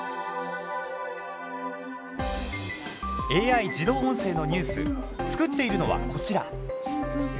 ＡＩ自動音声のニュース作っているのはこちら。